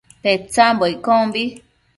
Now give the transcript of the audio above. Petsambo iccombi